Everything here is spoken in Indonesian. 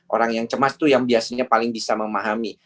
orang yang cemas itu yang biasanya paling bisa memahami